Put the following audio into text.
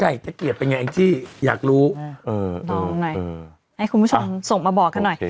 ไก่ตะเกียบเป็นยังไงที่อยากรู้เออเออเออเออให้คุณผู้ชมส่งมาบอกกันหน่อย